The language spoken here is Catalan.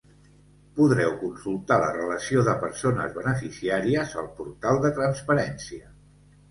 Podreu consultar la relació de persones beneficiàries al portal de transparència.